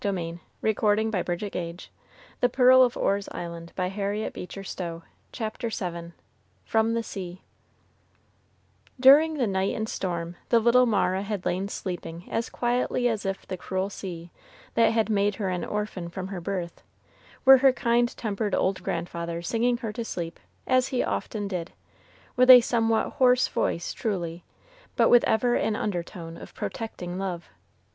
I took comfort looking at her. I couldn't help thinking: 'So he giveth his beloved sleep!'" CHAPTER VII FROM THE SEA During the night and storm, the little Mara had lain sleeping as quietly as if the cruel sea, that had made her an orphan from her birth, were her kind tempered old grandfather singing her to sleep, as he often did, with a somewhat hoarse voice truly, but with ever an undertone of protecting love.